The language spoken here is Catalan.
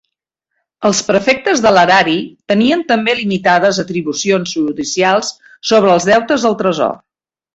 Els prefectes de l'erari tenien també limitades atribucions judicials sobre els deutes al tresor.